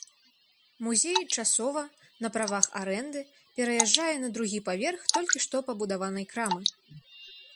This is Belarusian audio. Музей часова, на правах арэнды, пераязджае на другі паверх толькі што пабудаванай крамы.